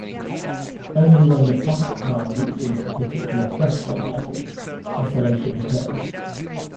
Only when the pump power reaches a particular threshold level, oscillation occurs.